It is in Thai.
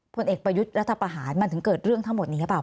ผลเอกประยุทธ์รัฐประหารมันถึงเกิดเรื่องทั้งหมดนี้หรือเปล่า